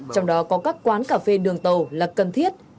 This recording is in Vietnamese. trong đó có các quán cà phê đường tàu là cần thiết